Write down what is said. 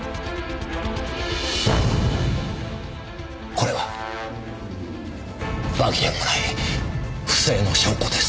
これは紛れもない不正の証拠です。